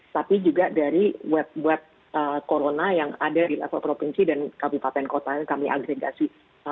tapi juga dari web web corona yang ada di level provinsi dan kabupaten kota yang kami agregasi